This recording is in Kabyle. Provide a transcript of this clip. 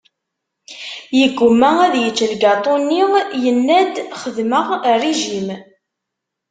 Yegguma ad yečč lgaṭu-nni, yenna-d xeddmeɣ rrijim.